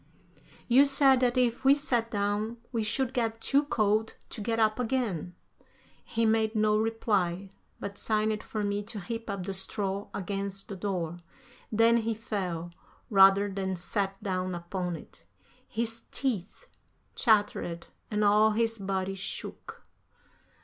"You said that if we sat down we should get too cold to get up again." He made no reply, but signed for me to heap up the straw against the door; then he fell, rather than sat down upon it. His teeth chattered and all his body shook.